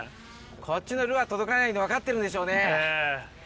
こっちのルアー届かないの分かってるんでしょうね。